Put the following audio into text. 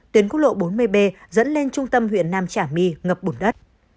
tuyến quốc lộ bốn mươi b dẫn lên trung tâm huyện nam trà my ngập bùn đất